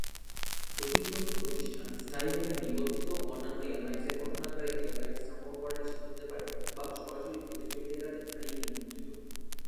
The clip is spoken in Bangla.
প্রতিদ্বন্দ্বী প্রতিষ্ঠান স্থায়ীভাবে নিবন্ধিত অন্যান্য এয়ারলাইন্সের গঠন আকারে এয়ারলাইন্স স্থাপন করা নিষিদ্ধ হতে পারে, বা সরাসরি প্রতিযোগিতা এড়াতে ভারী নিয়ন্ত্রিত।